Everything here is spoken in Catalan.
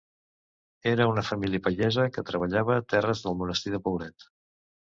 Era una família pagesa, que treballava terres del Monestir de Poblet.